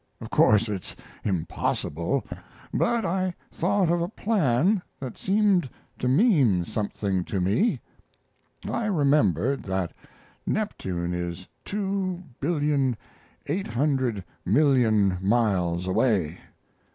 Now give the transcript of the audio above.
Of course it's impossible, but I thought of a plan that seemed to mean something to me. I remembered that Neptune is two billion eight hundred million miles away.